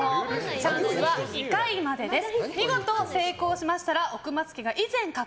チャンスは２回までです。